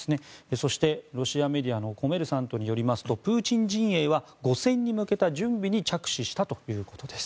そして、ロシアメディアのコメルサントによりますとプーチン陣営は５選に向けた準備に着手したということです。